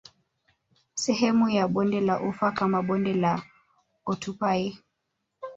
Sehemu ya Bonde la Ufa kama Bonde la Oltupai